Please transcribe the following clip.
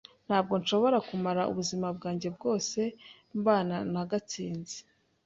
Ntabwo nshobora kumara ubuzima bwanjye bwose mbana na Gatsinzi.